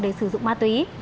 để sử dụng ma túy